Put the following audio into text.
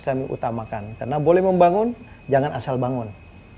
karena boleh membangun jangan asal bangun